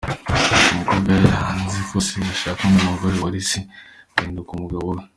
Umukobwa yanze ko Se ashaka undi mugore, uwari Se ahinduka umugabo we.